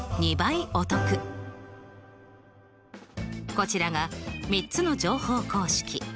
こちらが３つの乗法公式。